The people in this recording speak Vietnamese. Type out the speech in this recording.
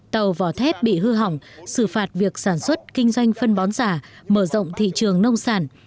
tàu vỏ thép bị hư hỏng xử phạt việc sản xuất kinh doanh phân bón giả mở rộng thị trường nông sản